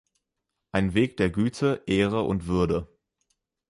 Ein Weg der Güte, Ehre und Würde.